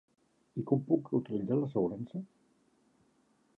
I com puc utilitzar l'assegurança?